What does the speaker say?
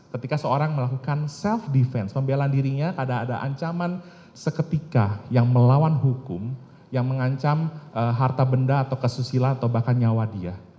ketika seorang melakukan self defense pembelaan dirinya ada ada ancaman seketika yang melawan hukum yang mengancam harta benda atau kesusila atau bahkan nyawa dia